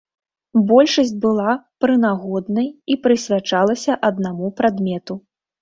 Большасць была прынагоднай і прысвячалася аднаму прадмету.